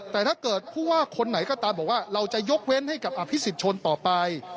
แต่ถ้าเกิดผู้ว่าคนไหนก็ตามบอกว่าเราจะยกเว้นให้กับอภิษฎชนต่อไป